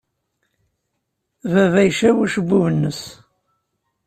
Baba icab ucebbub-nnes.